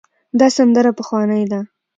دا سندره پخوانۍ ده.